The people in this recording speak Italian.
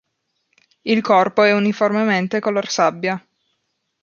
Il corpo è uniformemente color sabbia.